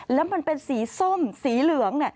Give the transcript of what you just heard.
แล้วมันเป็นสีส้มสีเหลือง